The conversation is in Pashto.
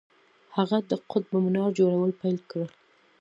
هغه د قطب منار جوړول پیل کړل.